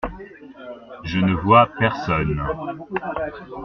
Je ne vois personne.